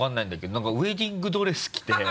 何かウエディングドレス着て。